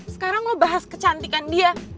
sekarang lo bahas kecantikan dia